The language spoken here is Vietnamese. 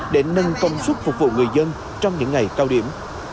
để nâng công suất phục vụ người dân trong những ngày cao điểm